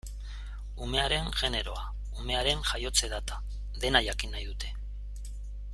Umearen generoa, umearen jaiotze data, dena jakin nahi dute.